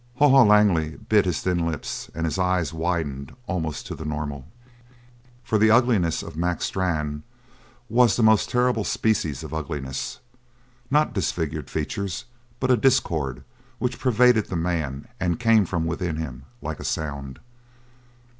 Haw Haw Langley bit his thin lips and his eyes widened almost to the normal. For the ugliness of Mac Strann was that most terrible species of ugliness not disfigured features but a discord which pervaded the man and came from within him like a sound.